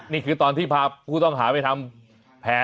นี่คือตอนที่พาผู้ต้องหาไปทำแผน